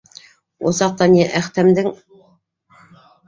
Ул саҡта ни Әхтәмдең